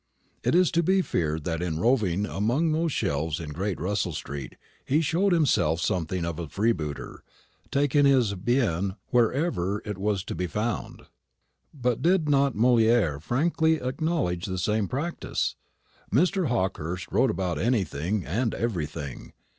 It is to be feared that in roving among those shelves in Great Russell street he showed himself something of a freebooter, taking his "bien" wherever it was to be found; but did not Molière frankly acknowledge the same practice? Mr. Hawkehurst wrote about anything and everything.